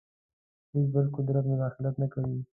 هېڅ بل قدرت مداخله نه کوي.